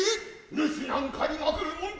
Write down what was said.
主なんかに負くるもんか。